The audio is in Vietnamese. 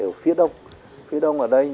ở phía đông phía đông ở đây